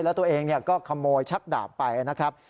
แล้วตัวเองก็ขโมยชักดาบไปนะครับ